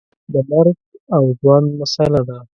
د مرګ او ژوند مسله ده.